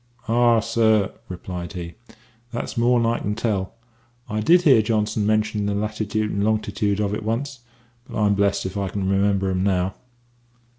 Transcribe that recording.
"Ah, sir," replied he, "that's more'n I can tell. I did hear Johnson mention the latitude and longitude of it once; but I'm blest if I can remember 'em now."